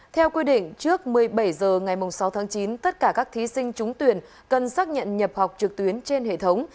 theo quy định trước một mươi bảy h ngày sáu tháng chín tất cả các thí sinh trúng tuyển cần xác nhận nhập học trực tuyến trên hệ thống